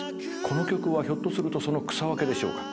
この曲はひょっとするとその草分けでしょうか。